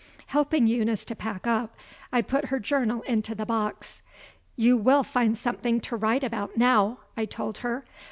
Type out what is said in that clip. Helping Eunice to pack up, I put her journal into the box. "You will find something to write about now," I told her.